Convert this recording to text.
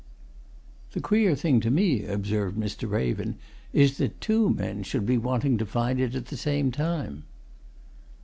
"The queer thing to me," observed Mr. Raven, "is that two men should be wanting to find it at the same time."